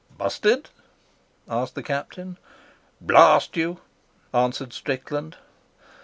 "Busted?" asked the Captain. "Blast you," answered Strickland.